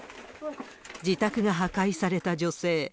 自宅が破壊された女性。